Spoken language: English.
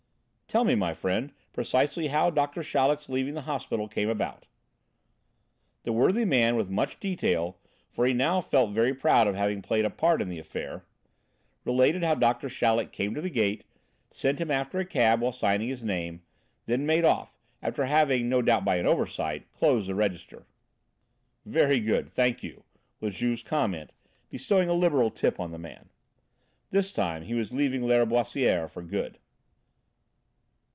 "Tell me, my friend, precisely how Doctor Chaleck's leaving the hospital came about?" The worthy man with much detail, for he now felt very proud of having played a part in the affair, related how Doctor Chaleck came to the gate, sent him after a cab while signing his name, then made off, after having, no doubt by an oversight, closed the register. "Very good! Thank you," was Juve's comment, bestowing a liberal tip on the man. This time he was leaving Lâriboisière for good.